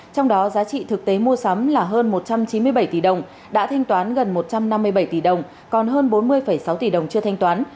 trong đó giá trị thực tế mua sắm là hơn một trăm chín mươi bảy tỷ đồng đã thanh toán gần một trăm năm mươi bảy tỷ đồng còn hơn bốn mươi sáu tỷ đồng chưa thanh toán